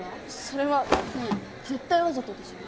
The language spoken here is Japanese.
それは。ねえ絶対わざとでしょ？